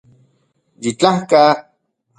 Yitlajka